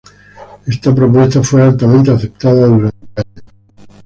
Esta propuesta fue altamente aceptada durante años.